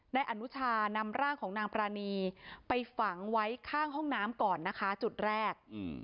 นายอนุชานำร่างของนางปรานีไปฝังไว้ข้างห้องน้ำก่อนนะคะจุดแรก